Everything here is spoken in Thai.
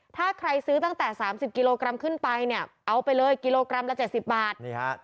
ถ้าใครซื้อตั้งแต่๓๐กิโลกรัมขึ้นไปเนี่ยเอาไปเลยกิโลกรัมละ๗๐บาท